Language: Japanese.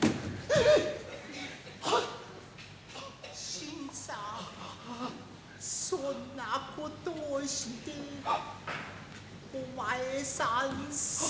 新さんそんなことをしてお前さん済みますか。